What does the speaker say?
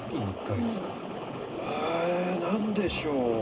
え何でしょう？